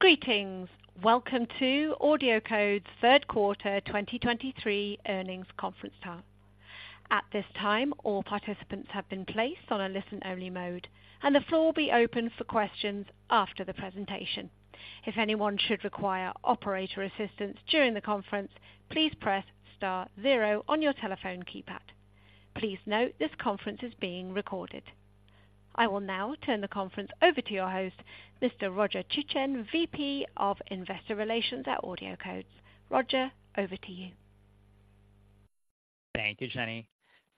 Greetings! Welcome to AudioCodes' Third Quarter 2023 Earnings Conference Call. At this time, all participants have been placed on a listen-only mode, and the floor will be open for questions after the presentation. If anyone should require operator assistance during the conference, please press star zero on your telephone keypad. Please note, this conference is being recorded. I will now turn the conference over to your host, Mr. Roger Chuchen, VP of Investor Relations at AudioCodes. Roger, over to you. Thank you, Jenny.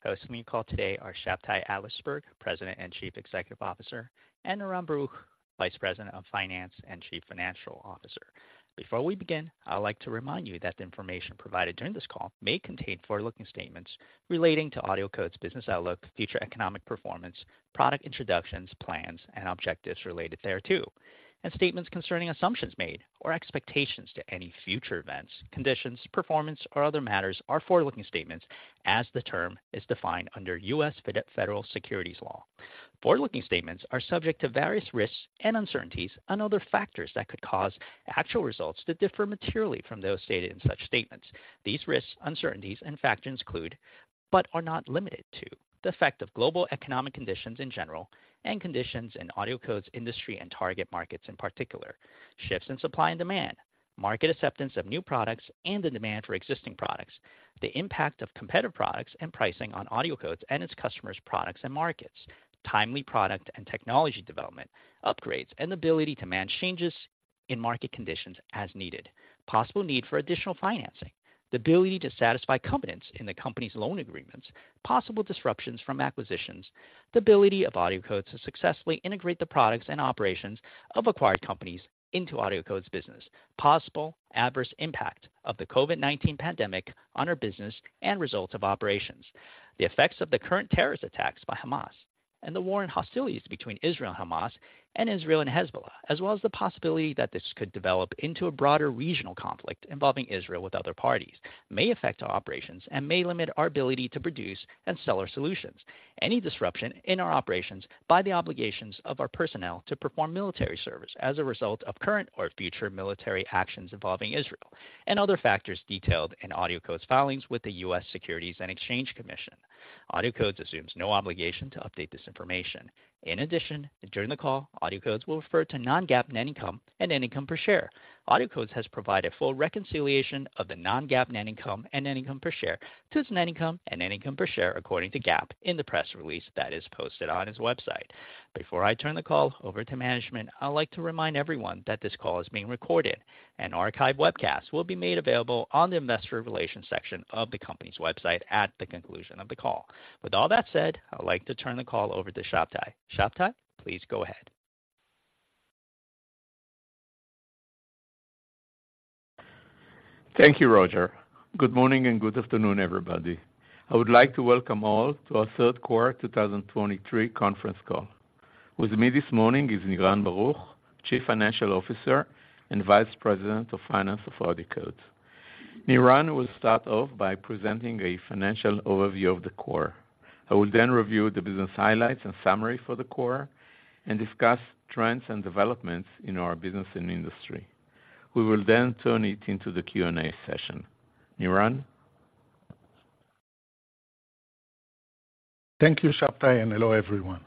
Hosting the call today are Shabtai Adlersberg, President and Chief Executive Officer, and Niran Baruch, Vice President of Finance and Chief Financial Officer. Before we begin, I'd like to remind you that the information provided during this call may contain forward-looking statements relating to AudioCodes' business outlook, future economic performance, product introductions, plans, and objectives related thereto, and statements concerning assumptions made or expectations to any future events, conditions, performance, or other matters are forward-looking statements as the term is defined under U.S. Federal Securities Law. Forward-looking statements are subject to various risks and uncertainties and other factors that could cause actual results to differ materially from those stated in such statements. These risks, uncertainties, and factors include, but are not limited to, the effect of global economic conditions in general and conditions in AudioCodes industry and target markets, in particular. Shifts in supply and demand, market acceptance of new products and the demand for existing products, the impact of competitor products and pricing on AudioCodes and its customers, products, and markets. Timely product and technology development, upgrades, and ability to manage changes in market conditions as needed. Possible need for additional financing, the ability to satisfy covenants in the company's loan agreements, possible disruptions from acquisitions, the ability of AudioCodes to successfully integrate the products and operations of acquired companies into AudioCodes business. Possible adverse impact of the COVID-19 pandemic on our business and results of operations. The effects of the current terrorist attacks by Hamas and the war and hostilities between Israel and Hamas and Israel and Hezbollah, as well as the possibility that this could develop into a broader regional conflict involving Israel with other parties, may affect our operations and may limit our ability to produce and sell our solutions. Any disruption in our operations by the obligations of our personnel to perform military service as a result of current or future military actions involving Israel and other factors detailed in AudioCodes filings with the U.S. Securities and Exchange Commission. AudioCodes assumes no obligation to update this information. In addition, during the call, AudioCodes will refer to non-GAAP net income and net income per share. AudioCodes has provided full reconciliation of the non-GAAP net income and net income per share to its net income and net income per share, according to GAAP, in the press release that is posted on its website. Before I turn the call over to management, I'd like to remind everyone that this call is being recorded, and an archived webcast will be made available on the investor relations section of the company's website at the conclusion of the call. With all that said, I'd like to turn the call over to Shabtai. Shabtai, please go ahead. Thank you, Roger. Good morning and good afternoon, everybody. I would like to welcome all to our Third Quarter 2023 Conference Call. With me this morning is Niran Baruch, Chief Financial Officer and Vice President of Finance of AudioCodes. Niran will start off by presenting a financial overview of the quarter. I will then review the business highlights and summary for the quarter and discuss trends and developments in our business and industry. We will then turn it into the Q&A session. Niran? Thank you, Shabtai, and hello, everyone.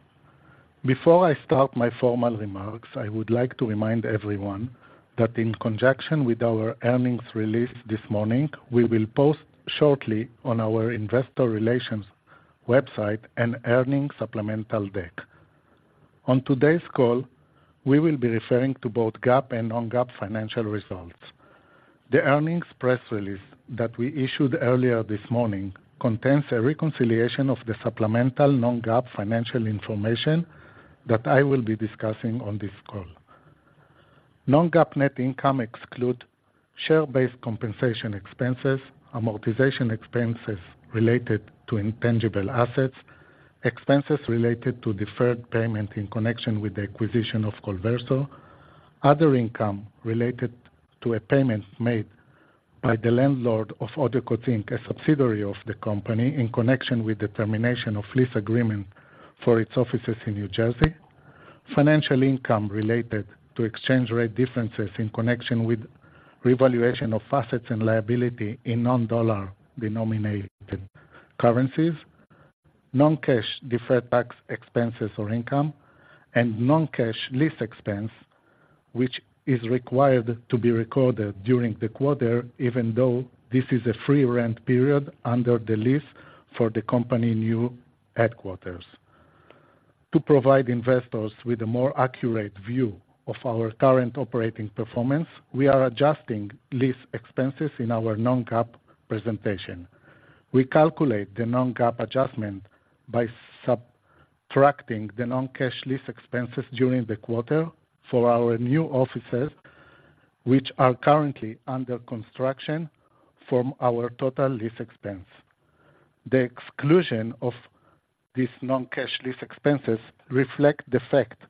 Before I start my formal remarks, I would like to remind everyone that in conjunction with our earnings release this morning, we will post shortly on our investor relations website an earnings supplemental deck. On today's call, we will be referring to both GAAP and non-GAAP financial results. The earnings press release that we issued earlier this morning contains a reconciliation of the supplemental non-GAAP financial information that I will be discussing on this call. Non-GAAP net income exclude share-based compensation expenses, amortization expenses related to intangible assets, expenses related to deferred payment in connection with the acquisition of Callresso, other income related to a payment made by the landlord of AudioCodes Inc., a subsidiary of the company, in connection with the termination of lease agreement for its offices in New Jersey, financial income related to exchange rate differences in connection with revaluation of assets and liability in non-dollar-denominated currencies, non-cash deferred tax expenses or income, and non-cash lease expense, which is required to be recorded during the quarter, even though this is a free rent period under the lease for the company new headquarters. To provide investors with a more accurate view of our current operating performance, we are adjusting lease expenses in our non-GAAP presentation. We calculate the non-GAAP adjustment by subtracting the non-cash lease expenses during the quarter for our new offices, which are currently under construction from our total lease expense. The exclusion of these non-cash lease expenses reflect the fact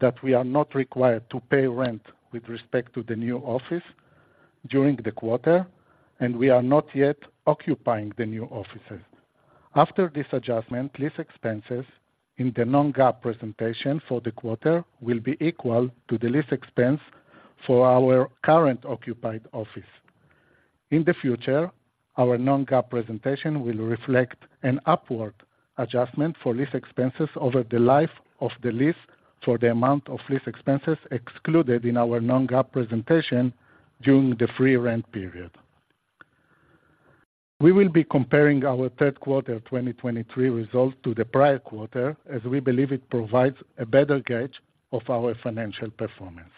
that we are not required to pay rent with respect to the new offices during the quarter, and we are not yet occupying the new offices. After this adjustment, lease expenses in the non-GAAP presentation for the quarter will be equal to the lease expense for our current occupied office. In the future, our non-GAAP presentation will reflect an upward adjustment for lease expenses over the life of the lease, for the amount of lease expenses excluded in our non-GAAP presentation during the free rent period. We will be comparing our third quarter 2023 results to the prior quarter, as we believe it provides a better gauge of our financial performance.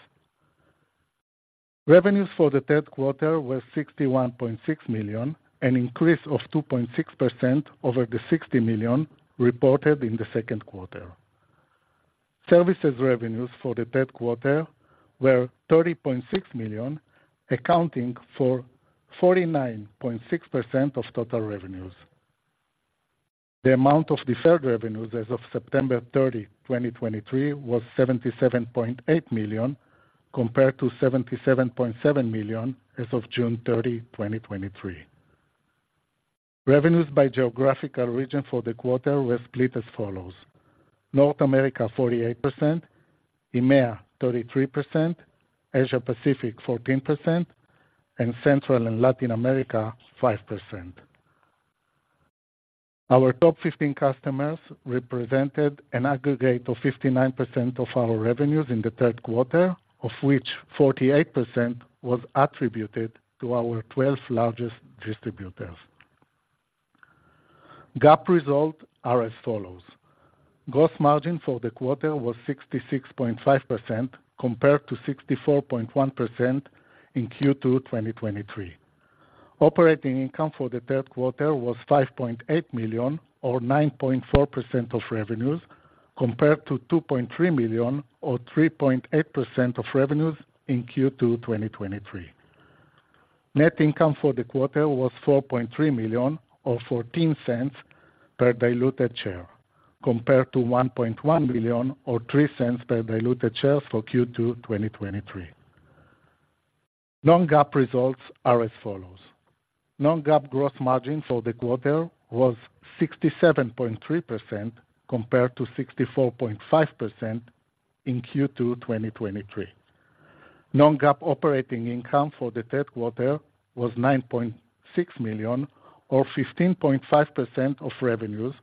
Revenues for the third quarter were $61.6 million, an increase of 2.6% over the $60 million reported in the second quarter. Services revenues for the third quarter were $30.6 million, accounting for 49.6% of total revenues. The amount of deferred revenues as of September 30, 2023, was $77.8 million, compared to $77.7 million as of June 30, 2023. Revenues by geographical region for the quarter were split as follows: North America, 48%; EMEA, 33%; Asia Pacific, 14%; and Central and Latin America, 5%. Our top 15 customers represented an aggregate of 59% of our revenues in the third quarter, of which 48% was attributed to our 12 largest distributors. GAAP results are as follows: Gross margin for the quarter was 66.5%, compared to 64.1% in Q2 2023. Operating income for the third quarter was $5.8 million, or 9.4% of revenues, compared to $2.3 million or 3.8% of revenues in Q2 2023. Net income for the quarter was $4.3 million, or $0.14 per diluted share, compared to $1.1 million or $0.03 per diluted share for Q2 2023. Non-GAAP results are as follows: Non-GAAP gross margin for the quarter was 67.3%, compared to 64.5% in Q2 2023. Non-GAAP operating income for the third quarter was $9.6 million, or 15.5% of revenues,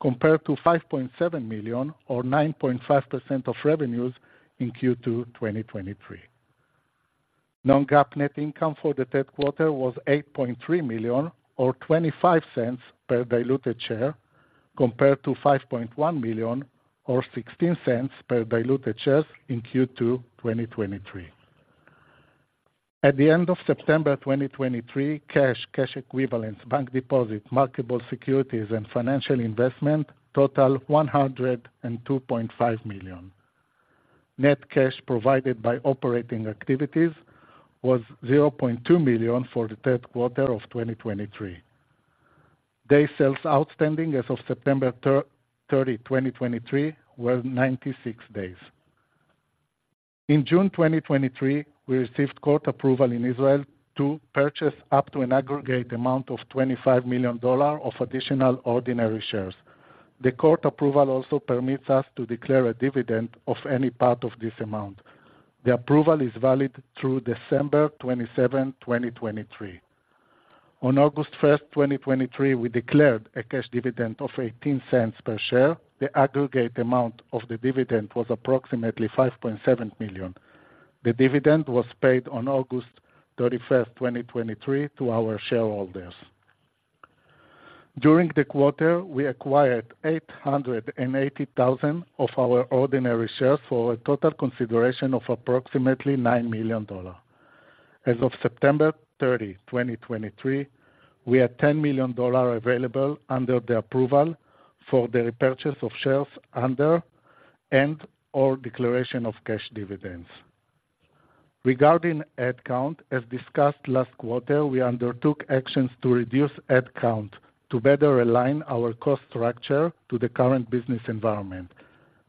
compared to $5.7 million or 9.5% of revenues in Q2 2023. Non-GAAP net income for the third quarter was $8.3 million or $0.25 per diluted share, compared to $5.1 million or $0.16 per diluted shares in Q2 2023. At the end of September 2023, cash, cash equivalents, bank deposits, marketable securities, and financial investment totaled $102.5 million. Net cash provided by operating activities was $0.2 million for the third quarter of 2023. Day Sales Outstanding as of September thirty, 2023, were 96 days. In June 2023, we received court approval in Israel to purchase up to an aggregate amount of $25 million of additional ordinary shares. The court approval also permits us to declare a dividend of any part of this amount. The approval is valid through December 27, 2023. On August 1, 2023, we declared a cash dividend of $0.18 per share. The aggregate amount of the dividend was approximately $5.7 million. The dividend was paid on August 31, 2023, to our shareholders. During the quarter, we acquired 880,000 of our ordinary shares for a total consideration of approximately $9 million. As of September 30, 2023, we had $10 million available under the approval for the repurchase of shares under, and/or declaration of cash dividends. Regarding headcount, as discussed last quarter, we undertook actions to reduce headcount to better align our cost structure to the current business environment.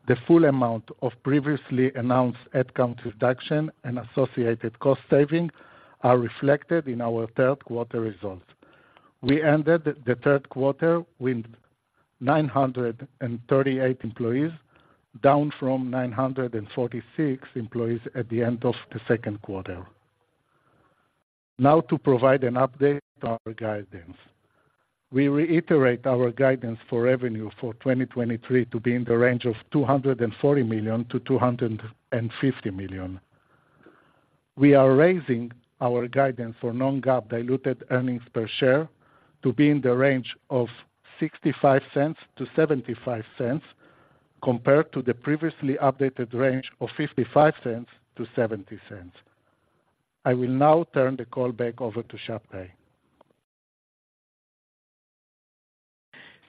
The full amount of previously announced headcount reduction and associated cost savings are reflected in our third quarter results. We ended the third quarter with 938 employees, down from 946 employees at the end of the second quarter. Now, to provide an update on our guidance. We reiterate our guidance for revenue for 2023 to be in the range of $240 million-$250 million. We are raising our guidance for non-GAAP diluted earnings per share to be in the range of $0.65-$0.75, compared to the previously updated range of $0.55-$0.70. I will now turn the call back over to Shabtai.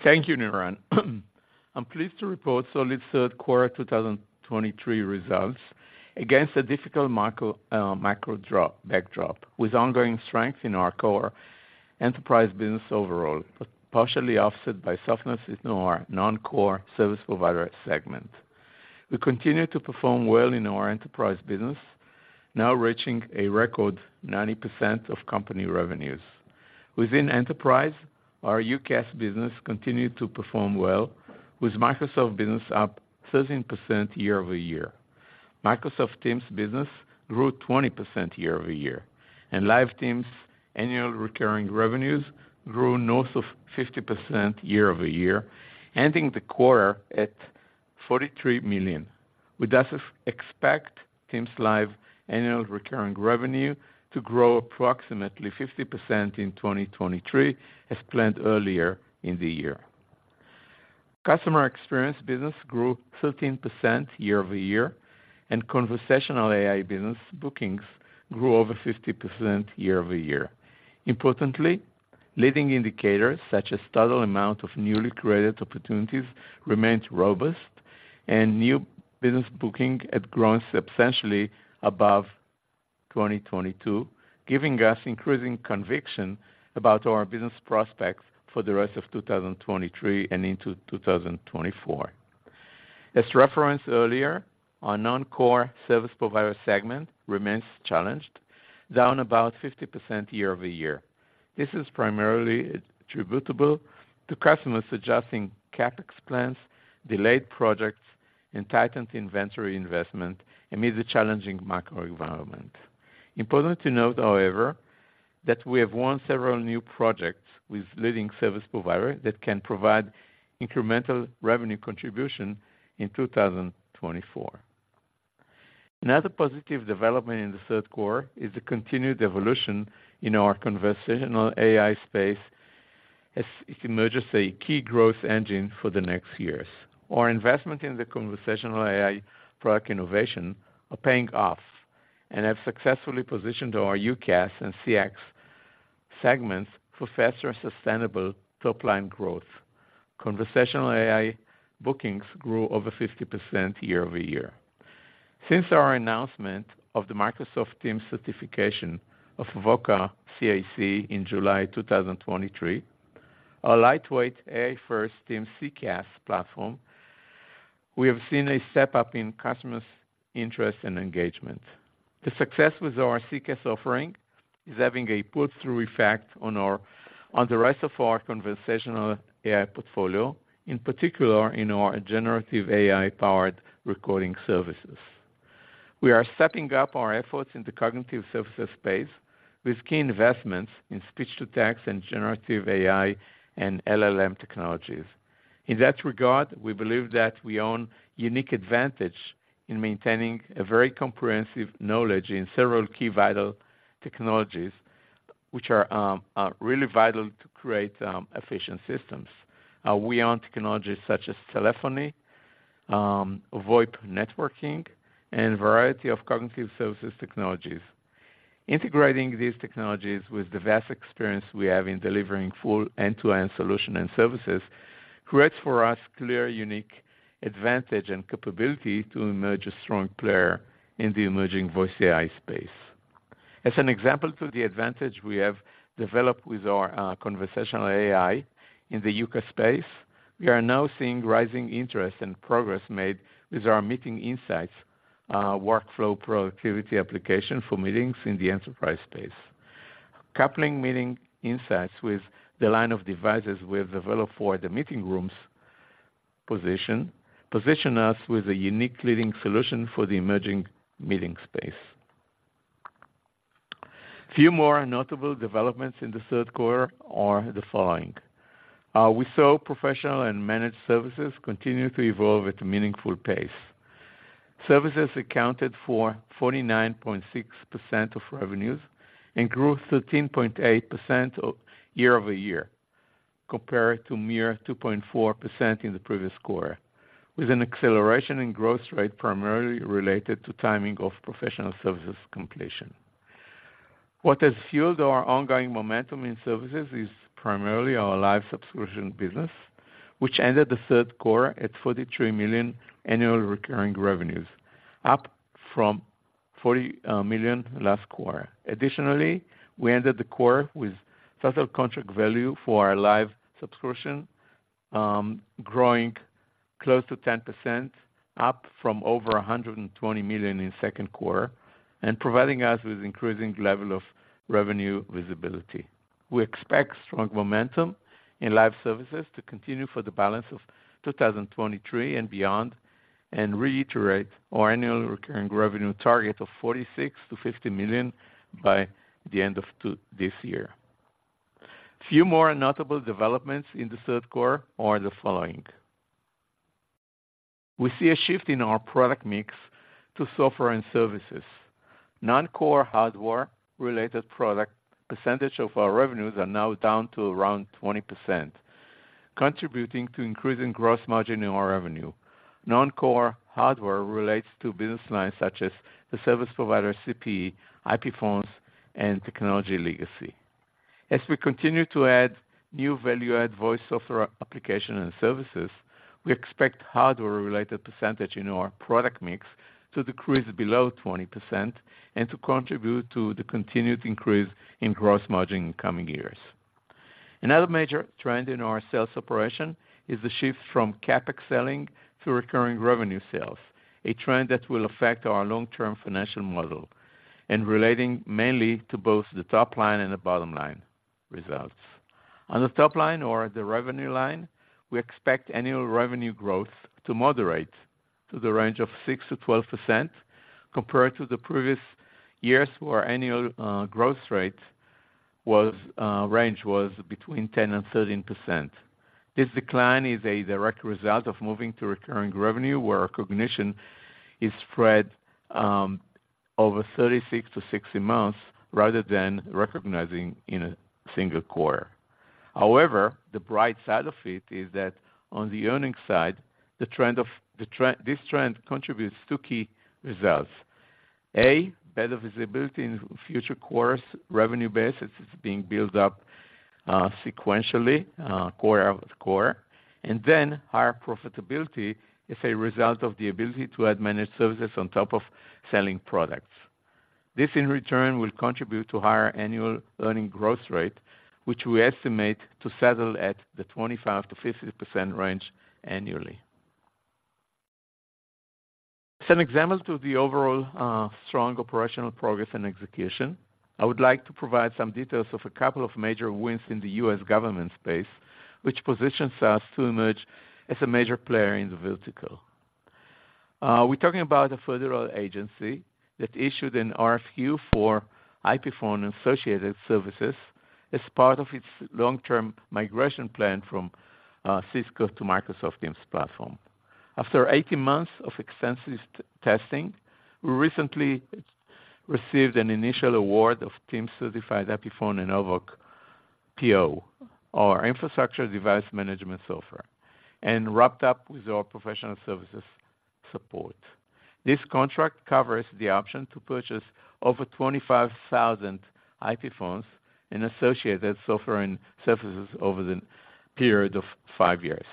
Thank you, Niran. I'm pleased to report AudioCodes' third quarter 2023 results against a difficult macroeconomic backdrop, with ongoing strength in our core Enterprise business overall, but partially offset by softness in our Non-Core Service Provider segment. We continue to perform well in our Enterprise business, now reaching a record 90% of company revenues. Within enterprise, our UCaaS business continued to perform well, with Microsoft business up 13% year-over-year. Microsoft Teams business grew 20% year-over-year, and Live Teams annual recurring revenues grew north of 50% year-over-year, ending the quarter at $43 million. We thus expect Teams Live annual recurring revenue to grow approximately 50% in 2023, as planned earlier in the year. Customer experience business grew 13% year-over-year, and conversational AI business bookings grew over 50% year-over-year. Importantly, leading indicators, such as total amount of newly created opportunities, remained robust and new business booking had grown substantially above 2022, giving us increasing conviction about our business prospects for the rest of 2023 and into 2024. As referenced earlier, our Non-Core Service Provider segment remains challenged, down about 50% year-over-year. This is primarily attributable to customers adjusting CapEx plans, delayed projects, and tightened inventory investment amid the challenging macro environment. Important to note, however, that we have won several new projects with leading service provider that can provide incremental revenue contribution in 2024. Another positive development in the third quarter is the continued evolution in our conversational AI space as it emerges a key growth engine for the next years. Our investment in the conversational AI product innovation are paying off and have successfully positioned our UCaaS and CX segments for faster, sustainable top line growth. Conversational AI bookings grew over 50% year-over-year. Since our announcement of the Microsoft Teams certification of Voca CIC in July 2023, our lightweight AI-first Teams CCaaS platform, we have seen a step-up in customers' interest and engagement. The success with our CCaaS offering is having a pull-through effect on the rest of our conversational AI portfolio, in particular in our generative AI-powered recording services. We are stepping up our efforts in the cognitive services space with key investments in speech-to-text and generative AI and LLM technologies. In that regard, we believe that we own unique advantage in maintaining a very comprehensive knowledge in several key vital technologies, which are really vital to create efficient systems. We own technologies such as telephony, VoIP networking, and a variety of cognitive services technologies. Integrating these technologies with the vast experience we have in delivering full end-to-end solution and services, creates for us clear, unique advantage and capability to emerge a strong player in the emerging voice AI space. As an example to the advantage we have developed with our, conversational AI in the UCaaS space, we are now seeing rising interest and progress made with our Meeting Insights, workflow productivity application for meetings in the enterprise space. Coupling Meeting Insights with the line of devices we have developed for the meeting rooms position, position us with a unique leading solution for the emerging meeting space. Few more notable developments in the third quarter are the following: We saw professional and managed services continue to evolve at a meaningful pace. Services accounted for 49.6% of revenues and grew 13.8% year-over-year, compared to mere 2.4% in the previous quarter, with an acceleration in growth rate primarily related to timing of professional services completion. What has fueled our ongoing momentum in services is primarily our Live subscription business, which ended the third quarter at $43 million annual recurring revenues, up from $40 million last quarter. Additionally, we ended the quarter with total contract value for our Live subscription growing close to 10%, up from over $120 million in second quarter, and providing us with increasing level of revenue visibility. We expect strong momentum in live services to continue for the balance of 2023 and beyond, and reiterate our annual recurring revenue target of $46 million-$50 million by the end of 2-- this year. Few more notable developments in the third quarter are the following. We see a shift in our product mix to software and services. Non-Core Hardware-related product percentage of our revenues are now down to around 20%, contributing to increasing gross margin in our revenue. Non-Core Hardware relates to business lines such as the service provider, CPE, IP phones, and technology legacy. As we continue to add new value-add voice software application and services, we expect hardware-related percentage in our product mix to decrease below 20% and to contribute to the continued increase in gross margin in coming years. Another major trend in our sales operation is the shift from CapEx selling to recurring revenue sales, a trend that will affect our long-term financial model and relating mainly to both the top line and the bottom line results. On the top line or the revenue line, we expect annual revenue growth to moderate to the range of 6%-12% compared to the previous years, where annual, growth rate was, range was between 10%-13%. This decline is a direct result of moving to recurring revenue, where recognition is spread, over 36-60 months, rather than recognizing in a single quarter. However, the bright side of it is that on the earnings side, this trend contributes to key results. Better visibility in future quarters, revenue basis is being built up, sequentially, quarter-over-quarter, and then higher profitability is a result of the ability to add managed services on top of selling products. This, in return, will contribute to higher annual earning growth rate, which we estimate to settle at the 25%-50% range annually. As an example to the overall, strong operational progress and execution, I would like to provide some details of a couple of major wins in the U.S. government space, which positions us to emerge as a major player in the vertical. We're talking about a federal agency that issued an RFQ for IP phone and associated services as part of its long-term migration plan from Cisco to Microsoft Teams platform. After 18 months of extensive testing, we recently received an initial award of Teams-certified IP phone and OVOC, or infrastructure device management software, and wrapped up with our professional services support. This contract covers the option to purchase over 25,000 IP phones and associated software and services over the period of 5 years.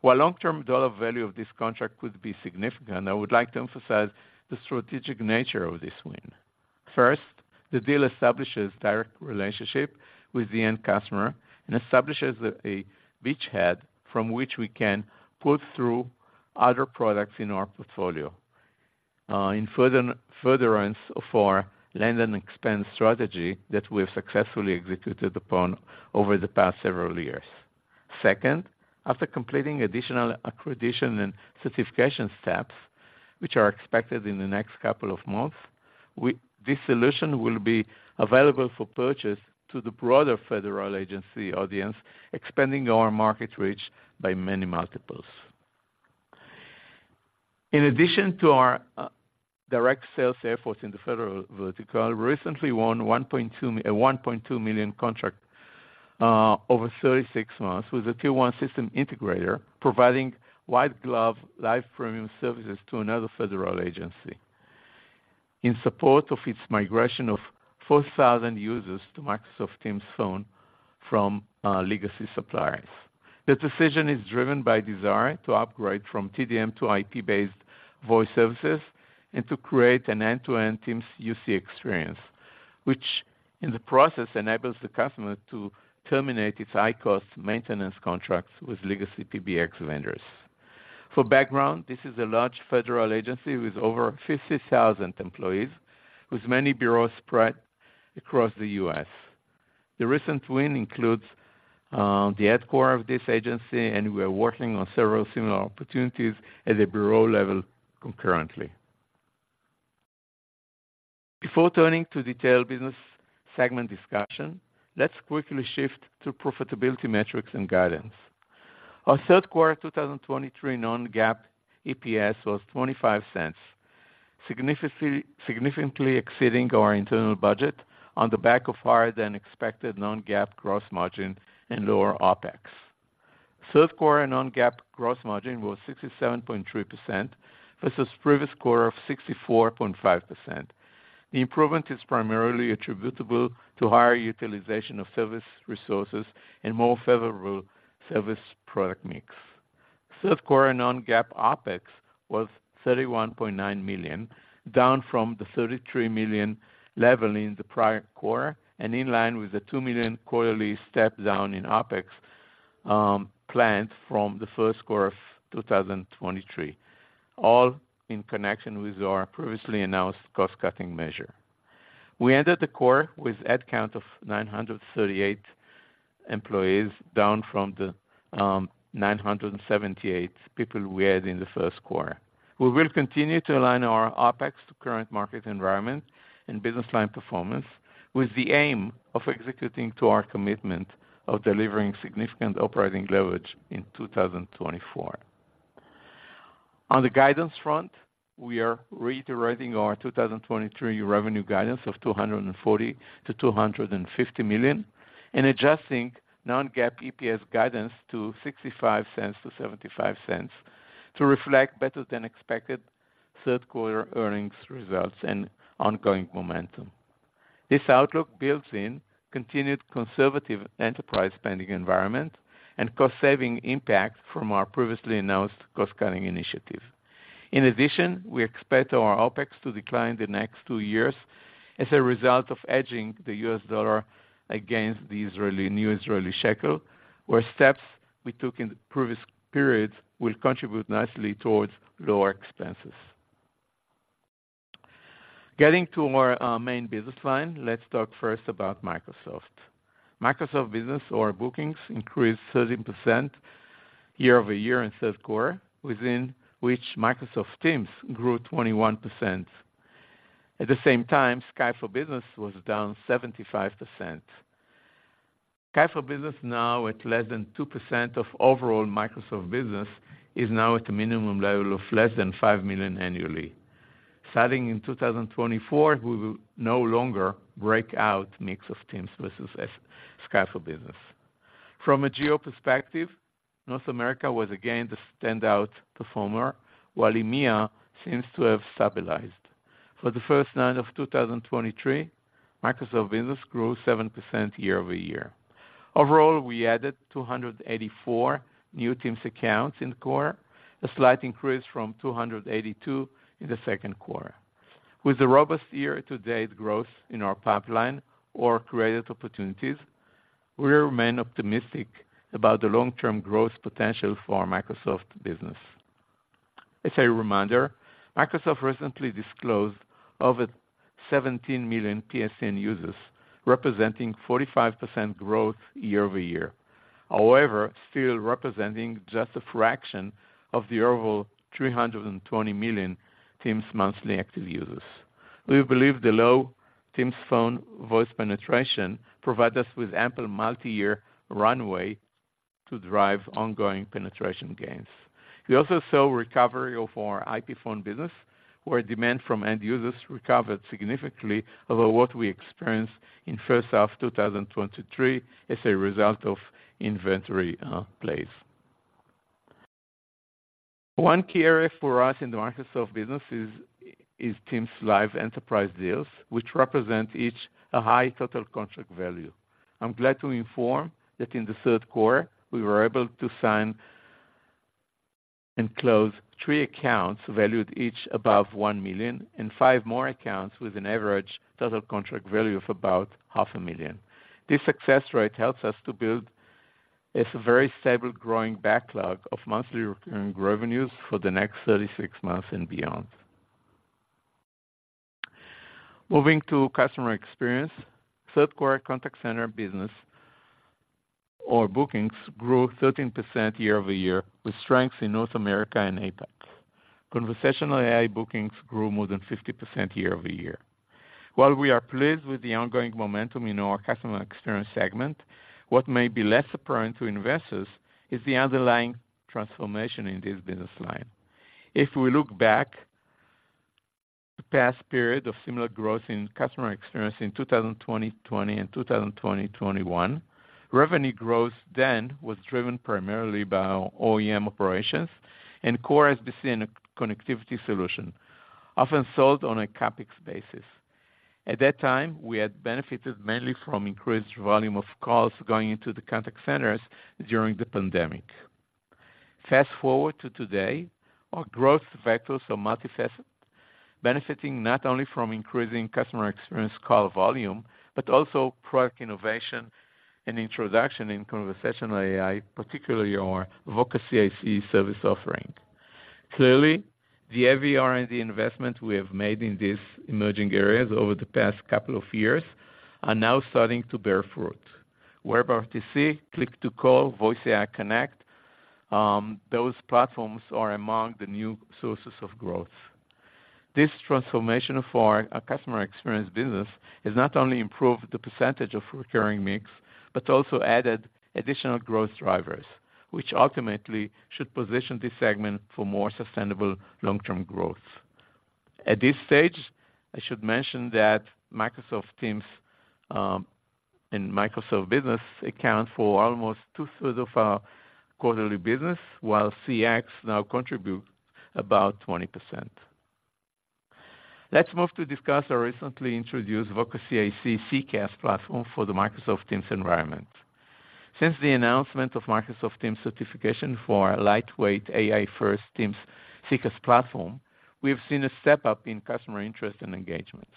While long-term dollar value of this contract could be significant, I would like to emphasize the strategic nature of this win. First, the deal establishes direct relationship with the end customer and establishes a beachhead from which we can push through other products in our portfolio, in furtherance of our land and expand strategy that we have successfully executed upon over the past several years. Second, after completing additional accreditation and certification steps, which are expected in the next couple of months, we-- this solution will be available for purchase to the broader federal agency audience, expanding our market reach by many multiples. In addition to our direct sales efforts in the federal vertical, we recently won a $1.2 million contract over 36 months with a tier one system integrator, providing white glove Live premium services to another federal agency. In support of its migration of 4,000 users to Microsoft Teams Phone from legacy suppliers. The decision is driven by desire to upgrade from TDM to IP-based voice services and to create an end-to-end Teams UC experience, which, in the process, enables the customer to terminate its high-cost maintenance contracts with legacy PBX vendors. For background, this is a large federal agency with over 50,000 employees, with many bureaus spread across the U.S. The recent win includes the headquarters of this agency, and we are working on several similar opportunities at the bureau level concurrently. Before turning to detailed business segment discussion, let's quickly shift to profitability metrics and guidance. Our third quarter 2023 non-GAAP EPS was $0.25, significantly, significantly exceeding our internal budget on the back of higher-than-expected non-GAAP gross margin and lower OpEx. Third quarter non-GAAP gross margin was 67.3% versus previous quarter of 64.5%. The improvement is primarily attributable to higher utilization of service resources and more favorable service product mix. Third quarter non-GAAP OpEx was $31.9 million, down from the $33 million level in the prior quarter and in line with the $2 million quarterly step down in OpEx, planned from the first quarter of 2023, all in connection with our previously announced cost-cutting measure. We ended the quarter with head count of 938 employees, down from the 978 people we had in the first quarter. We will continue to align our OpEx to current market environment and business line performance, with the aim of executing to our commitment of delivering significant operating leverage in 2024. On the guidance front, we are reiterating our 2023 revenue guidance of $240 million-$250 million, and adjusting non-GAAP EPS guidance to $0.65-$0.75, to reflect better-than-expected third quarter earnings results and ongoing momentum. This outlook builds in continued conservative enterprise spending environment and cost-saving impact from our previously announced cost-cutting initiative. In addition, we expect our OpEx to decline the next two years. As a result of hedging the US dollar against the Israeli new shekel, where steps we took in the previous periods will contribute nicely towards lower expenses. Getting to our main business line, let's talk first about Microsoft. Microsoft business or bookings increased 13% year-over-year in third quarter, within which Microsoft Teams grew 21%. At the same time, Skype for Business was down 75%. Skype for Business, now at less than 2% of overall Microsoft business, is now at a minimum level of less than $5 million annually. Starting in 2024, we will no longer break out mix of Teams versus Skype for Business. From a geo perspective, North America was again the standout performer, while EMEA seems to have stabilized. For the first nine of 2023, Microsoft Business grew 7% year-over-year. Overall, we added 284 new Teams accounts in quarter, a slight increase from 282 in the second quarter. With a robust year-to-date growth in our pipeline or created opportunities, we remain optimistic about the long-term growth potential for our Microsoft business. As a reminder, Microsoft recently disclosed over 17 million PSTN users, representing 45% growth year-over-year. However, still representing just a fraction of the overall 320 million Teams monthly active users. We believe the low Teams Phone voice penetration provides us with ample multi-year runway to drive ongoing penetration gains. We also saw recovery of our IP Phone business, where demand from end users recovered significantly over what we experienced in first half of 2023 as a result of inventory plays. One key area for us in the Microsoft business is, is Teams Live enterprise deals, which represent each a high total contract value. I'm glad to inform that in the third quarter, we were able to sign and close three accounts, valued each above $1 million, and five more accounts with an average total contract value of about $500,000. This success rate helps us to build a very stable, growing backlog of monthly recurring revenues for the next 36 months and beyond. Moving to customer experience, third quarter Contact Center business or bookings grew 13% year-over-year, with strengths in North America and APAC. Conversational AI bookings grew more than 50% year-over-year. While we are pleased with the ongoing momentum in our customer experience segment, what may be less apparent to investors is the underlying transformation in this business line. If we look back the past period of similar growth in customer experience in 2020 and 2021, revenue growth then was driven primarily by our OEM operations and core SBC and connectivity solution, often sold on a CapEx basis. At that time, we had benefited mainly from increased volume of calls going into the contact centers during the pandemic. Fast-forward to today, our growth vectors are multifaceted, benefiting not only from increasing customer experience call volume, but also product innovation and introduction in conversational AI, particularly our Voca CIC service offering. Clearly, the heavy R&D investment we have made in these emerging areas over the past couple of years are now starting to bear fruit. WebRTC Click-to-Call, VoiceAI Connect, those platforms are among the new sources of growth. This transformation for our customer experience business has not only improved the percentage of recurring mix, but also added additional growth drivers, which ultimately should position this segment for more sustainable long-term growth. At this stage, I should mention that Microsoft Teams and Microsoft Business account for almost two-thirds of our quarterly business, while CX now contribute about 20%. Let's move to discuss our recently introduced Voca CIC CCaaS platform for the Microsoft Teams environment. Since the announcement of Microsoft Teams certification for our lightweight AI first Teams CCaaS platform, we have seen a step up in customer interest and engagements.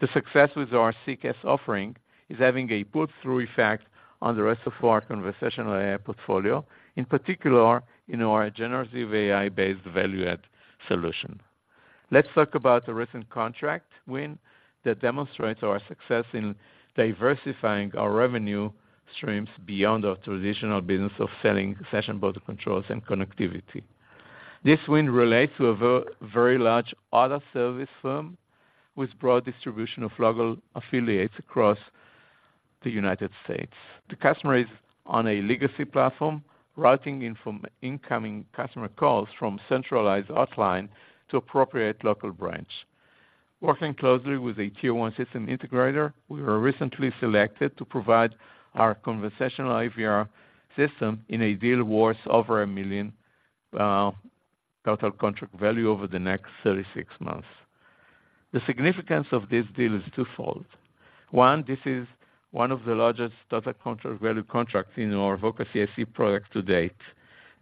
The success with our CCaaS offering is having a breakthrough effect on the rest of our conversational AI portfolio, in particular in our generative AI-based value-add solution. Let's talk about a recent contract win that demonstrates our success in diversifying our revenue streams beyond our traditional business of selling Session Border Controls and connectivity. This win relates to a very large auto service firm with broad distribution of local affiliates across the United States. The customer is on a legacy platform, routing in from incoming customer calls from centralized hotline to appropriate local branch. Working closely with a tier one system integrator, we were recently selected to provide our conversational IVR system in a deal worth over $1 million total contract value over the next 36 months. The significance of this deal is twofold. One, this is one of the largest total contract value contracts in our Voca CIC product to date.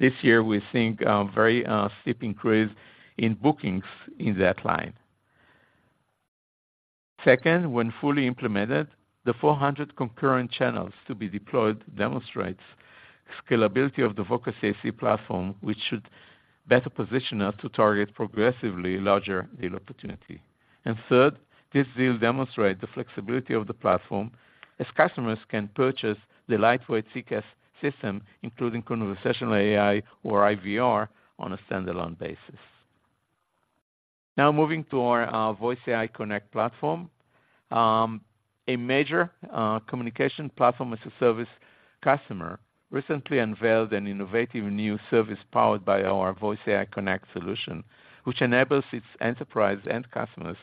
This year, we think very steep increase in bookings in that line. Second, when fully implemented, the 400 concurrent channels to be deployed demonstrates scalability of the Voca CIC platform, which should better position us to target progressively larger deal opportunity. And third, this deal demonstrates the flexibility of the platform, as customers can purchase the lightweight CCaaS system, including conversational AI or IVR, on a standalone basis. Now moving to our Voice AI Connect platform. A major communication platform-as-a-service customer recently unveiled an innovative new service powered by our Voice AI Connect solution, which enables its enterprise end customers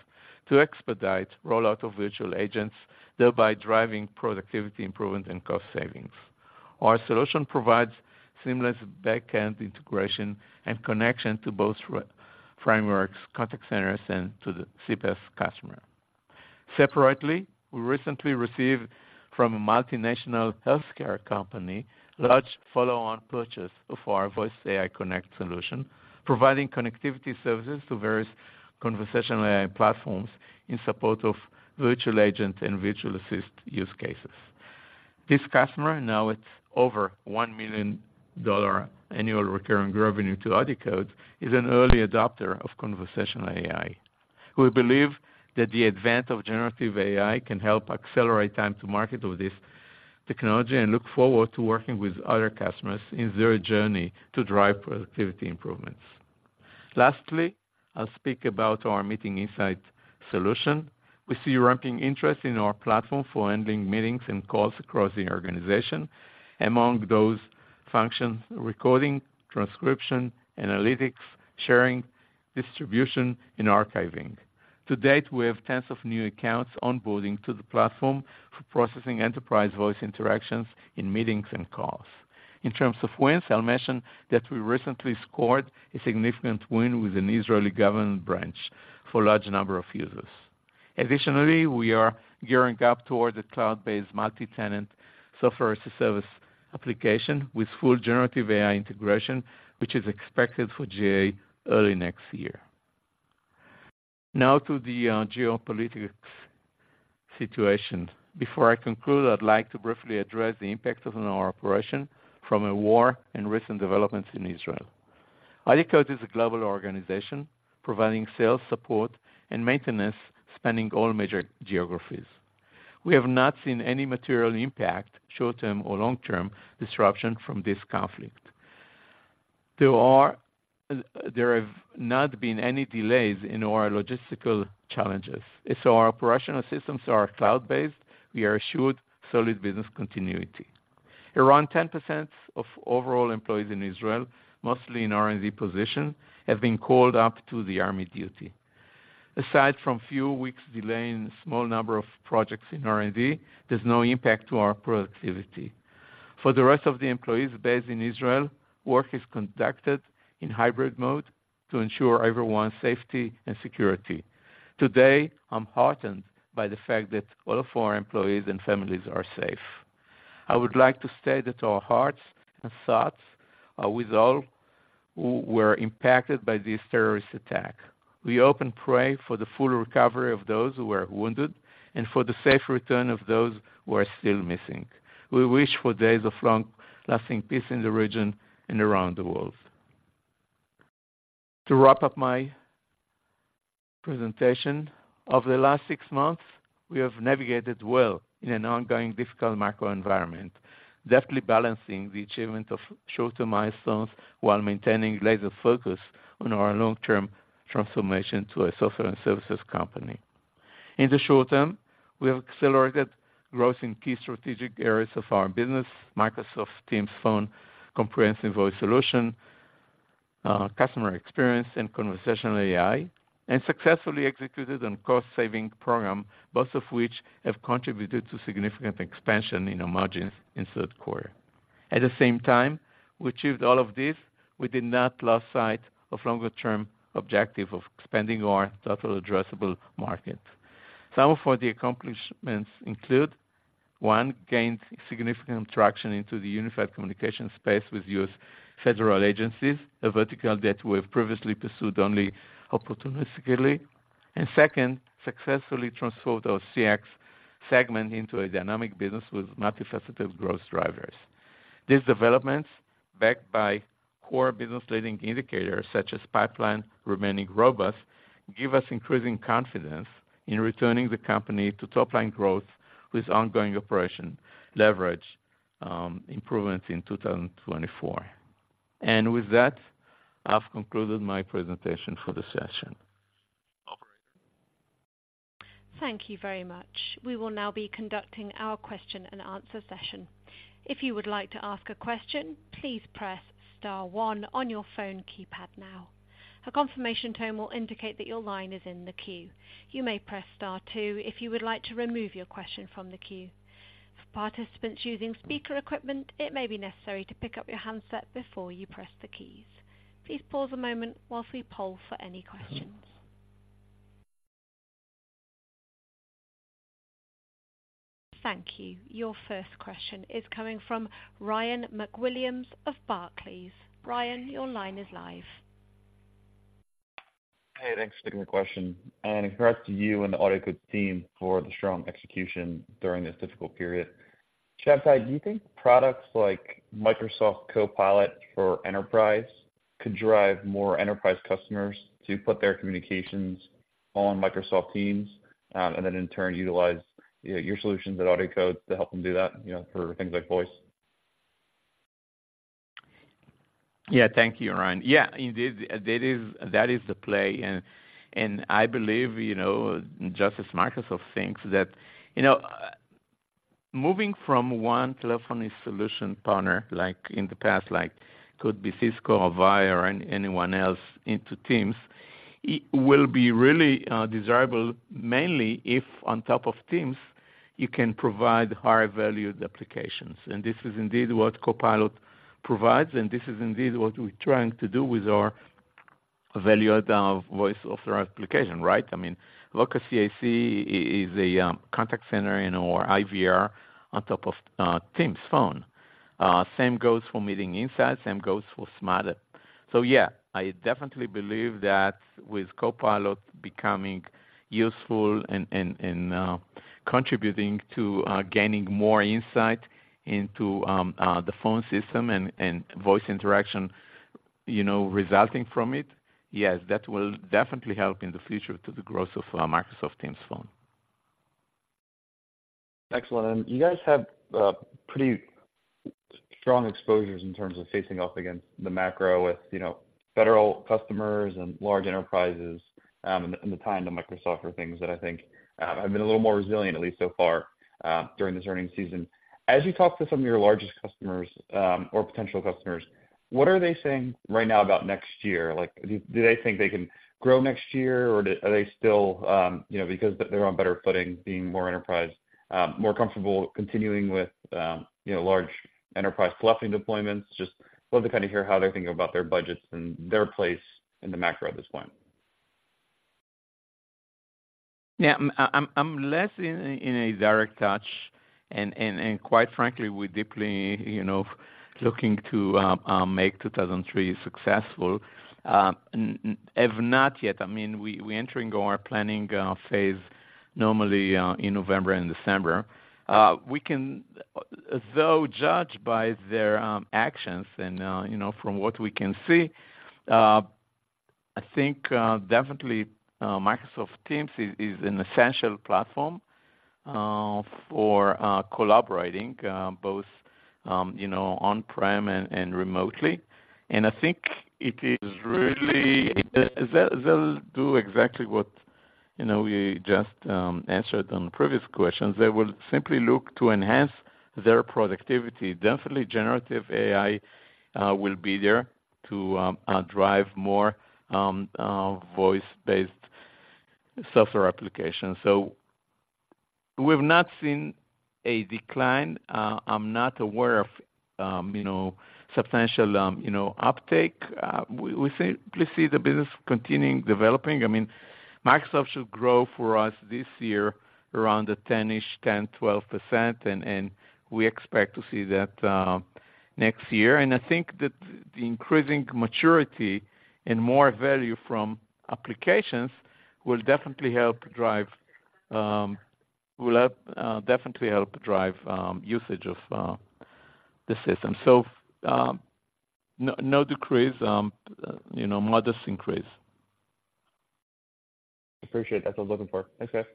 to expedite rollout of virtual agents, thereby driving productivity improvement and cost savings. Our solution provides seamless backend integration and connection to both Frameworks, Contact Centers, and to the CPaaS customer. Separately, we recently received from a multinational healthcare company large follow-on purchase of our Voice AI Connect solution, providing connectivity services to various conversational AI platforms in support of virtual agent and virtual assistant use cases. This customer, now it's over $1 million annual recurring revenue to AudioCodes, is an early adopter of conversational AI. We believe that the advent of generative AI can help accelerate time to market with this technology and look forward to working with other customers in their journey to drive productivity improvements. Lastly, I'll speak about our Meeting Insights solution. We see ramping interest in our platform for handling meetings and calls across the organization. Among those functions, recording, transcription, analytics, sharing, distribution, and archiving. To date, we have tens of new accounts onboarding to the platform for processing enterprise voice interactions in meetings and calls. In terms of wins, I'll mention that we recently scored a significant win with an Israeli government branch for a large number of users. Additionally, we are gearing up toward a cloud-based, multi-tenant software-as-a-service application with full generative AI integration, which is expected for GA early next year. Now to the geopolitics situation. Before I conclude, I'd like to briefly address the impact on our operation from a war and recent developments in Israel. AudioCodes is a global organization providing sales, support, and maintenance, spanning all major geographies. We have not seen any material impact, short-term or long-term disruption from this conflict. There have not been any delays in our logistical challenges, as our operational systems are cloud-based, we are assured solid business continuity. Around 10% of overall employees in Israel, mostly in R&D position, have been called up to the army duty. Aside from few weeks delay in a small number of projects in R&D, there's no impact to our productivity. For the rest of the employees based in Israel, work is conducted in hybrid mode to ensure everyone's safety and security. Today, I'm heartened by the fact that all of our employees and families are safe. I would like to state that our hearts and thoughts are with all who were impacted by this terrorist attack. We hope and pray for the full recovery of those who were wounded and for the safe return of those who are still missing. We wish for days of long-lasting peace in the region and around the world. To wrap up my presentation, over the last six months, we have navigated well in an ongoing, difficult macro environment, deftly balancing the achievement of short-term milestones while maintaining laser focus on our long-term transformation to a software and services company. In the short term, we have accelerated growth in key strategic areas of our business, Microsoft Teams Phone, comprehensive voice solution, customer experience, and conversational AI, and successfully executed on cost-saving program, both of which have contributed to significant expansion in our margins in third quarter. At the same time, we achieved all of this without losing sight of longer term objective of expanding our total addressable market. Some of the accomplishments include, one, gained significant traction into the unified communication space with U.S. federal agencies, a vertical that we've previously pursued only opportunistically. And second, successfully transformed our CX segment into a dynamic business with multifaceted growth drivers. These developments, backed by core business leading indicators such as pipeline remaining robust, give us increasing confidence in returning the company to top-line growth with ongoing operation leverage, improvements in 2024. And with that, I've concluded my presentation for the session. Operator? Thank you very much. We will now be conducting our question-and-answer session. If you would like to ask a question, please press star one on your phone keypad now. A confirmation tone will indicate that your line is in the queue. You may press star two if you would like to remove your question from the queue. For participants using speaker equipment, it may be necessary to pick up your handset before you press the keys. Please pause a moment while we poll for any questions. Thank you. Your first question is coming from Ryan MacWilliams of Barclays. Ryan, your line is live. Hey, thanks for taking the question, and congrats to you and the AudioCodes team for the strong execution during this difficult period. Shabtai, do you think products like Microsoft Copilot for Enterprise could drive more enterprise customers to put their communications on Microsoft Teams, and then in turn utilize, you know, your solutions at AudioCodes to help them do that, you know, for things like voice? Yeah. Thank you, Ryan. Yeah, indeed, that is, that is the play, and, and I believe, you know, just as Microsoft thinks that, you know, moving from one telephony solution partner, like in the past, like could be Cisco or Avaya or any- anyone else into Teams, it will be really desirable, mainly if on top of Teams, you can provide high-valued applications. And this is indeed what Copilot provides, and this is indeed what we're trying to do with our valued voice authorized application, right? I mean, Voca CIC is a contact center and our IVR on top of Teams phone. Same goes for Meeting Insights, same goes for SmartTAP. So yeah, I definitely believe that with Copilot becoming useful and contributing to gaining more insight into the phone system and voice interaction, you know, resulting from it, yes, that will definitely help in the future to the growth of Microsoft Teams Phone. Excellent. And you guys have pretty strong exposures in terms of facing off against the macro with, you know, federal customers and large enterprises, and the tie into Microsoft are things that I think have been a little more resilient, at least so far, during this earnings season. As you talk to some of your largest customers, or potential customers, what are they saying right now about next year? Like, do they think they can grow next year, or do. Are they still, you know, because they're on better footing, being more enterprise, more comfortable continuing with, you know, large enterprise telephony deployments? Just love to kind of hear how they're thinking about their budgets and their place in the macro at this point. Yeah. I'm less in a direct touch and quite frankly, we're deeply, you know, looking to make 2023 successful, and have not yet. I mean, we're entering our planning phase normally in November and December. We can, though, judge by their actions and, you know, from what we can see, I think, definitely, Microsoft Teams is an essential platform for collaborating both, you know, on-prem and remotely. And I think it is really, they'll do exactly what, you know, we just answered on the previous questions. They will simply look to enhance their productivity. Definitely, generative AI will be there to drive more voice-based software applications. So we've not seen a decline. I'm not aware of, you know, substantial, you know, uptake. We see the business continuing developing. I mean, Microsoft should grow for us this year around the 10-ish, 10, 12%, and we expect to see that next year. I think that the increasing maturity and more value from applications will definitely help drive, will help, definitely help drive usage of the system. So, no decrease, you know, modest increase. Appreciate it. That's what I was looking for. Thanks, guys.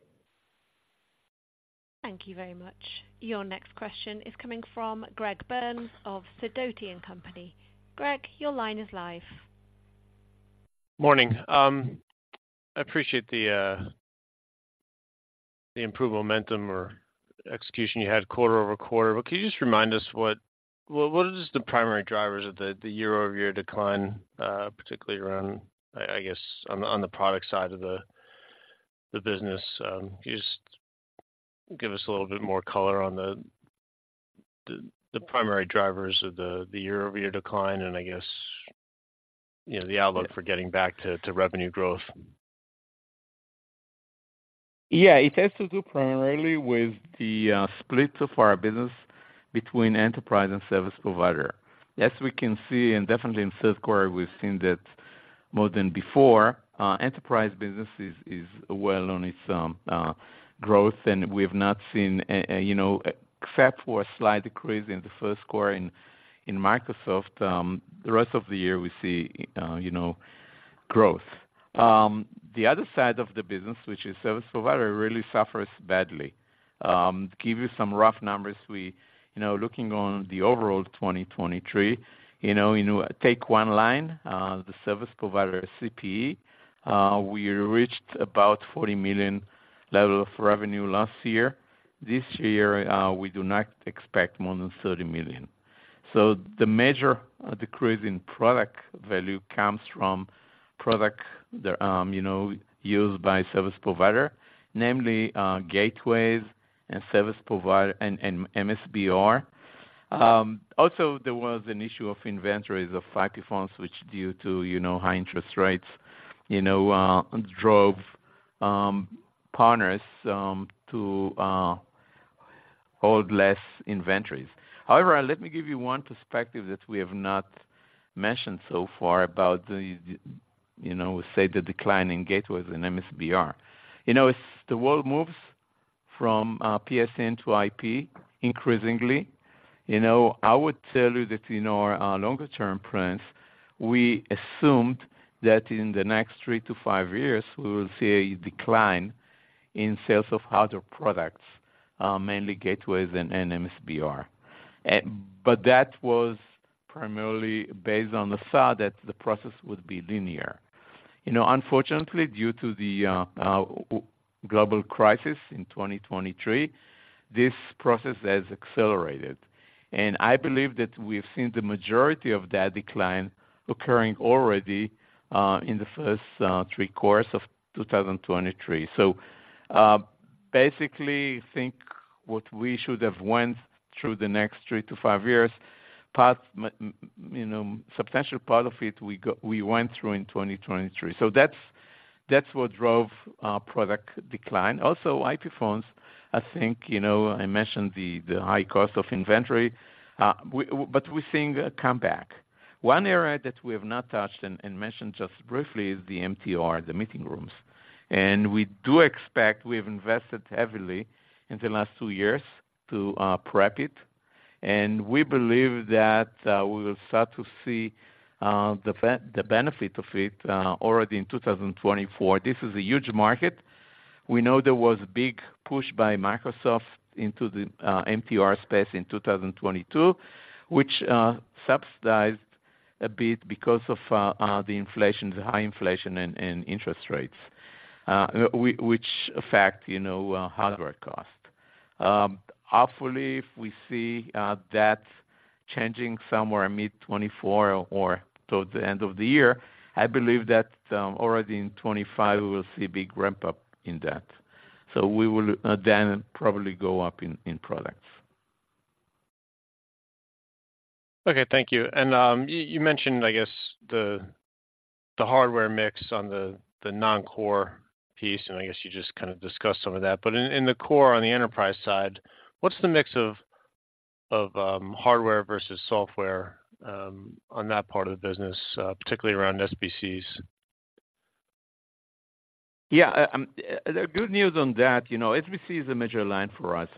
Thank you very much. Your next question is coming from Greg Burns of Sidoti & Company. Greg, your line is live. Morning. I appreciate the improved momentum or execution you had quarter-over-quarter. But can you just remind us what is the primary drivers of the year-over-year decline, particularly around, I guess, on the product side of the business? Can you just give us a little bit more color on the primary drivers of the year-over-year decline and I guess, you know, the outlook for getting back to revenue growth? Yeah. It has to do primarily with the split of our business between enterprise and service provider. As we can see, and definitely in third quarter, we've seen that more than before, Enterprise business is well on its growth, and we have not seen a, you know, except for a slight decrease in the first quarter in Microsoft, the rest of the year we see, you know, growth. The other side of the business, which is service provider, really suffers badly. Give you some rough numbers. We, you know, looking on the overall 2023, you know, you take one line, the service provider, CPE, we reached about $40 million level of revenue last year. This year, we do not expect more than $30 million. So the major decrease in product value comes from product that, you know, used by service provider, namely, gateways and service provider and MSBR. Also, there was an issue of inventories of IP phones, which due to, you know, high interest rates, you know, drove partners to hold less inventories. However, let me give you one perspective that we have not mentioned so far about the, you know, say, the decline in gateways and MSBR. You know, as the world moves from PSTN to IP increasingly, you know, I would tell you that in our longer term plans, we assumed that in the next three to five years, we will see a decline in sales of hardware products, mainly gateways and MSBR. But that was primarily based on the thought that the process would be linear. You know, unfortunately, due to the global crisis in 2023, this process has accelerated, and I believe that we've seen the majority of that decline occurring already in the first three quarters of 2023. So, basically, think what we should have went through the next 3-5 years, part, you know, substantial part of it we go, we went through in 2023. So that's, that's what drove our product decline. Also, IP phones, I think, you know, I mentioned the high cost of inventory, but we're seeing a comeback. One area that we have not touched and mentioned just briefly is the MTR, the meeting rooms. We do expect we've invested heavily in the last two years to prep it, and we believe that we will start to see the benefit of it already in 2024. This is a huge market. We know there was a big push by Microsoft into the MTR space in 2022, which subsidized a bit because of the inflation, the high inflation and interest rates, which affect, you know, hardware cost. Hopefully, if we see that changing somewhere in mid-2024 or towards the end of the year, I believe that already in 2025 we will see a big ramp-up in that. So we will then probably go up in products. Okay, thank you. And you mentioned, I guess, the hardware mix on the non-core piece, and I guess you just kind of discussed some of that. But in the core, on the enterprise side, what's the mix of hardware versus software on that part of the business, particularly around SBCs? Yeah, the good news on that, you know, SBC is a major line for us.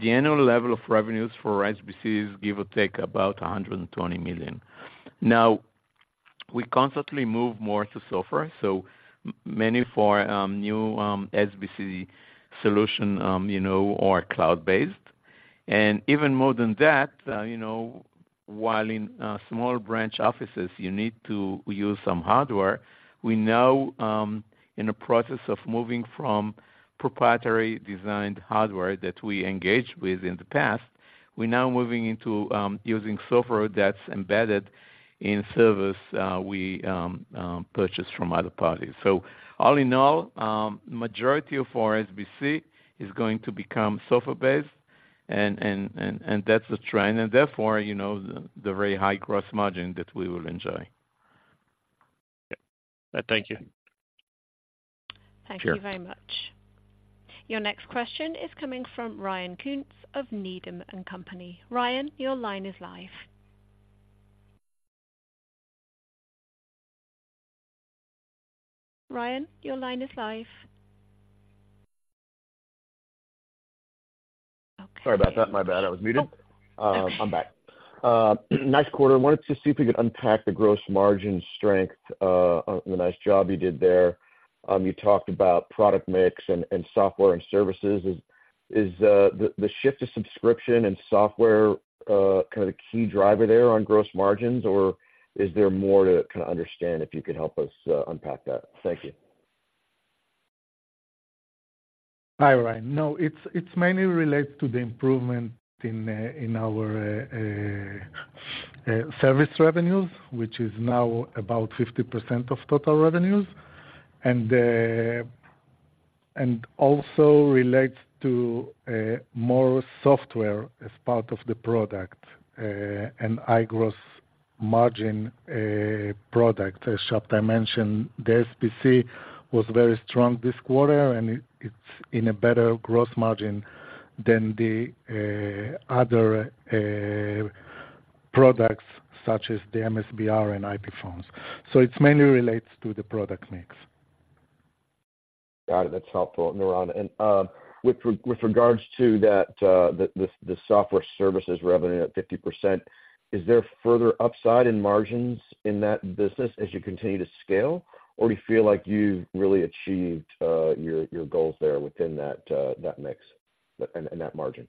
The annual level of revenues for SBCs give or take about $120 million. Now, we constantly move more to software, so many for new SBC solution, you know, or cloud-based. And even more than that, you know, while in small branch offices, you need to use some hardware, we now in the process of moving from proprietary designed hardware that we engaged with in the past, we're now moving into using software that's embedded in service we purchase from other parties. So all in all, majority of our SBC is going to become software-based and that's the trend, and therefore, you know, the very high gross margin that we will enjoy. Thank you. Thank you very much. Your next question is coming from Ryan Koontz of Needham & Company. Ryan, your line is live. Ryan, your line is live. Sorry about that. My bad, I was muted. Oh, okay. I'm back. Nice quarter. I wanted to see if you could unpack the gross margin strength on the nice job you did there. You talked about product mix and software and services. Is the shift to subscription and software kind of the key driver there on gross margins, or is there more to kind of understand if you could help us unpack that? Thank you. Hi, Ryan. No, it's, it's mainly related to the improvement in, in our, service revenues, which is now about 50% of total revenues, and, and also relates to, more software as part of the product, and high gross margin, product. As Shabtai mentioned, the SBC was very strong this quarter, and it, it's in a better gross margin than the, other, products such as the MSBR and IP phones. So it's mainly relates to the product mix. Got it. That's helpful, Niran. And, with regards to that, the software services revenue at 50%, is there further upside in margins in that business as you continue to scale, or do you feel like you've really achieved your goals there within that mix and that margin?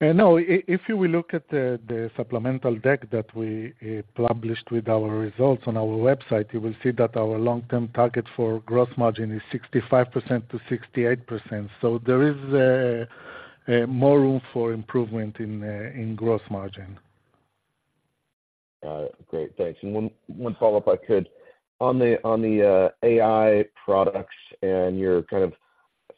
No, if you will look at the supplemental deck that we published with our results on our website, you will see that our long-term target for gross margin is 65%-68%. So there is more room for improvement in gross margin. All right, great. Thanks. And one follow-up. On the AI products and your kind of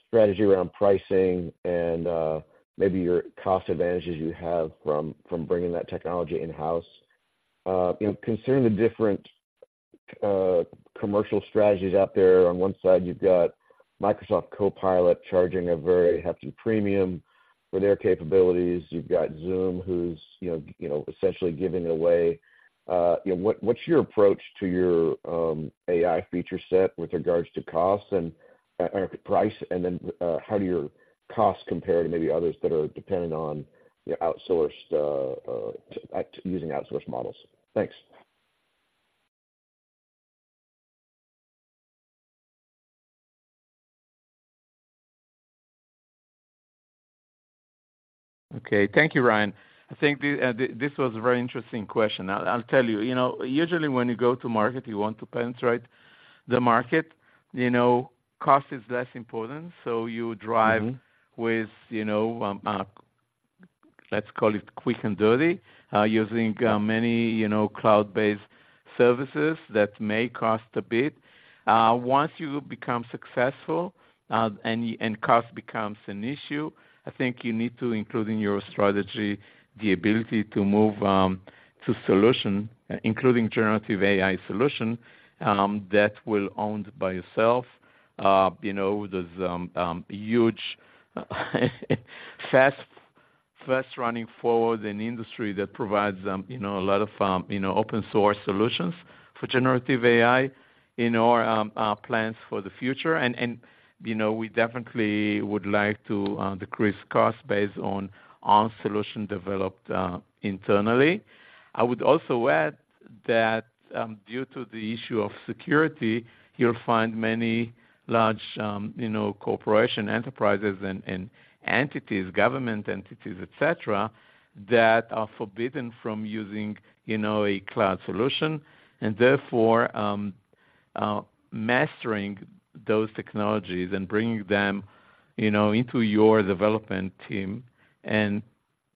strategy around pricing and, maybe your cost advantages you have from bringing that technology in-house. You know, considering the different commercial strategies out there, on one side, you've got Microsoft Copilot charging a very hefty premium for their capabilities. You've got Zoom, who's, you know, essentially giving away. You know, what's your approach to your AI feature set with regards to costs and price? And then, how do your costs compare to maybe others that are dependent on using outsourced models? Thanks. Okay. Thank you, Ryan. I think this was a very interesting question. I, I'll tell you, you know, usually when you go to market, you know, cost is less important, so you drive with, you know, let's call it quick and dirty, using many, you know, cloud-based services that may cost a bit. Once you become successful, and cost becomes an issue, I think you need to include in your strategy the ability to move to solution, including generative AI solution, that will owned by yourself. You know, there's huge, fast running forward in industry that provides, you know, a lot of open source solutions for generative AI in our plans for the future. And, you know, we definitely would like to decrease costs based on our solution developed internally. I would also add that, due to the issue of security, you'll find many large, you know, corporations, enterprises and entities, government entities, et cetera, that are forbidden from using, you know, a cloud solution. And therefore, mastering those technologies and bringing them, you know, into your development team and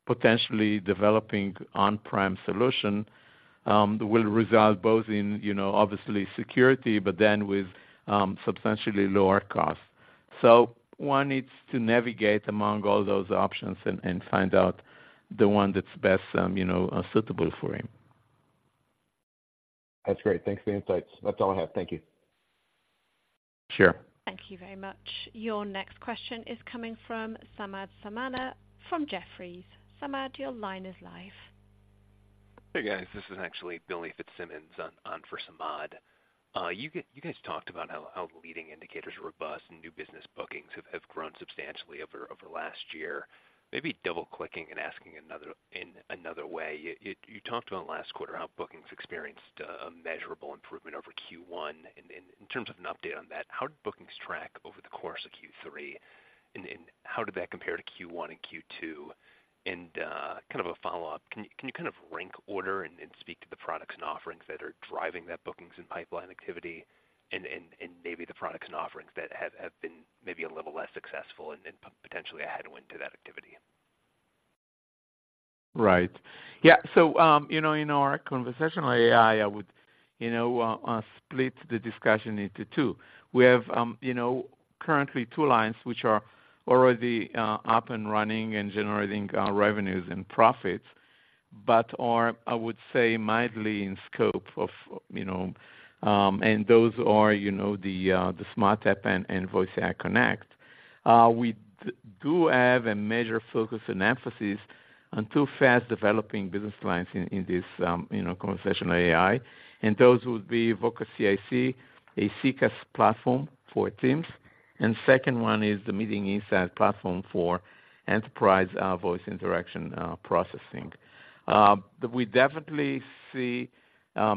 potentially developing on-prem solution, will result both in, you know, obviously security, but then with, substantially lower costs. So one needs to navigate among all those options and find out the one that's best, you know, suitable for him. That's great. Thanks for the insights. That's all I have. Thank you. Sure. Thank you very much. Your next question is coming from Samad Samana, from Jefferies. Samad, your line is live. Hey, guys, this is actually Billy Fitzsimmons on for Samad. You guys talked about how the leading indicators are robust and new business bookings have grown substantially over last year. Maybe double-clicking and asking in another way, you talked about last quarter how bookings experienced a measurable improvement over Q1. And in terms of an update on that, how did bookings track over the course of Q3, and how did that compare to Q1 and Q2? And kind of a follow-up, can you kind of rank order and speak to the products and offerings that are driving that bookings and pipeline activity, and maybe the products and offerings that have been maybe a little less successful and potentially a headwind to that activity? Right. Yeah, so, you know, in our conversational AI, I would, you know, split the discussion into two. We have, you know, currently two lines, which are already up and running and generating revenues and profits, but are, I would say, mildly in scope of, you know. And those are, you know, the SmartTAP and Voice AI Connect. We do have a major focus and emphasis on two fast-developing business lines in this, you know, conversational AI, and those would be Voca CIC, a CCaaS platform for Teams, and second one is the Meeting Insights platform for enterprise voice interaction processing. But we definitely see,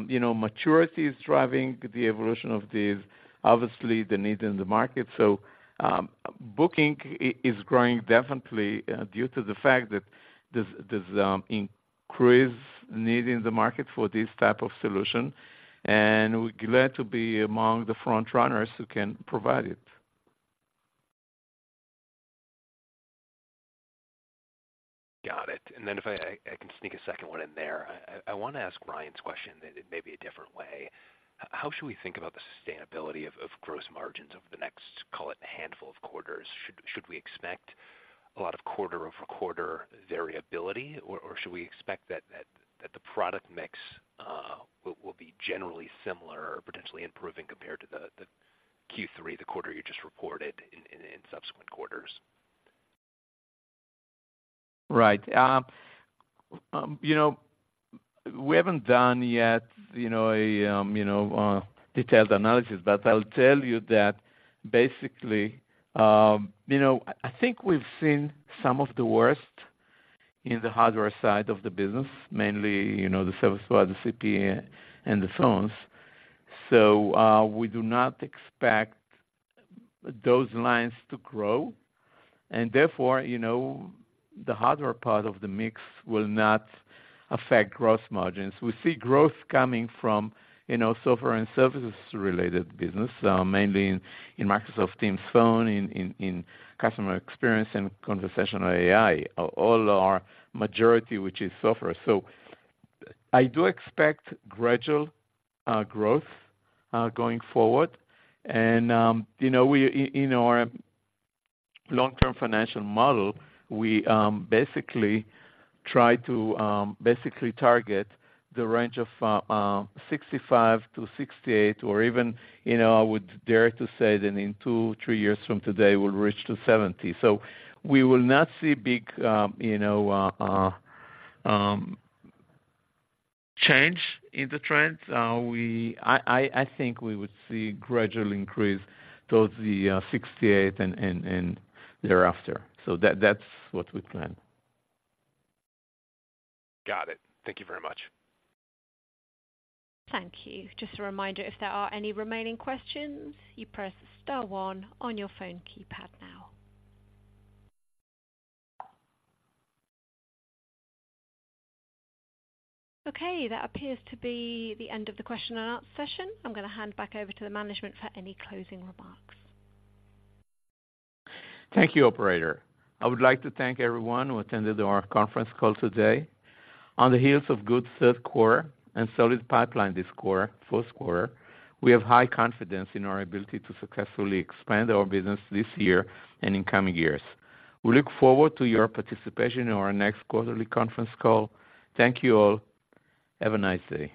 you know, maturity is driving the evolution of these, obviously the need in the market. So, booking is growing definitely, due to the fact that there's increased need in the market for this type of solution, and we're glad to be among the front runners who can provide it. Got it. And then if I can sneak a second one in there. I want to ask Ryan's question in maybe a different way. How should we think about the sustainability of gross margins over the next, call it, handful of quarters? Should we expect a lot of quarter-over-quarter variability, or should we expect that the product mix will be generally similar or potentially improving compared to the Q3, the quarter you just reported in subsequent quarters? Right. You know, we haven't done yet, you know, a detailed analysis, but I'll tell you that basically, you know, I, I think we've seen some of the worst in the hardware side of the business, mainly, you know, the service side, the CPE and the phones. So, we do not expect those lines to grow, and therefore, you know, the hardware part of the mix will not affect gross margins. We see growth coming from, you know, software and services related business, mainly in, in, in Microsoft Teams Phone, in, in, in Customer Experience and Conversational AI, all are majority, which is software. So I do expect gradual growth going forward and, you know, we in our long-term financial model basically try to basically target the range of 65-68 or even, you know, I would dare to say that in two, three years from today, we'll reach to 70. So we will not see big, you know, change in the trends. I think we would see gradual increase towards the 68 and thereafter. So that's what we plan. Got it. Thank you very much. Thank you. Just a reminder, if there are any remaining questions, you press star one on your phone keypad now. Okay, that appears to be the end of the question and answer session. I'm going to hand back over to the management for any closing remarks. Thank you, operator. I would like to thank everyone who attended our conference call today. On the heels of good third quarter and solid pipeline this quarter, fourth quarter, we have high confidence in our ability to successfully expand our business this year and in coming years. We look forward to your participation in our next quarterly conference call. Thank you all. Have a nice day.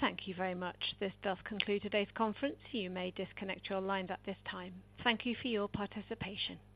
Thank you very much. This does conclude today's conference. You may disconnect your lines at this time. Thank you for your participation.